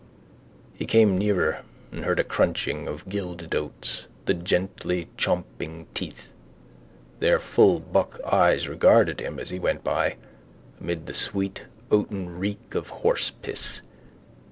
He came nearer and heard a crunching of gilded oats, the gently champing teeth. Their full buck eyes regarded him as he went by, amid the sweet oaten reek of horsepiss.